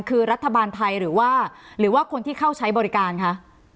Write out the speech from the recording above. คือรัฐบาลไทยหรือว่าหรือว่าคนที่เข้าใช้บริการคะ